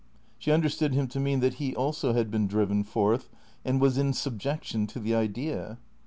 She understood him to mean that he also had been driven forth, and was in subjection to the Idea.